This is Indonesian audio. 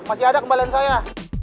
masih ada kembalian saya